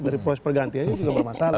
dari proses pergantiannya juga bermasalah